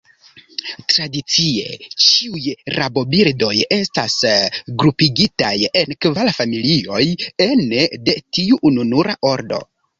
Tradicie ĉiuj rabobirdoj estas grupigitaj en kvar familioj ene de tiu ununura ordo.